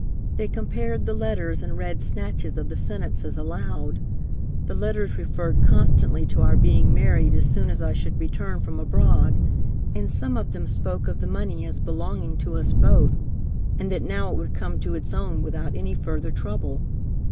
They compared the letters and read snatches of the sentences aloud. The letters referred constantly to our being married as soon as I should return from abroad, and some of them spoke of the money as belonging to us both, and that now it would come to its own without any further trouble.